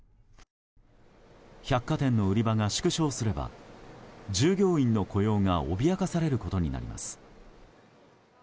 百貨店の売り場が縮小すれば従業員の雇用が脅かされることになります。